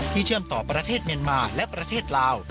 เชื่อมต่อประเทศเมียนมาและประเทศลาว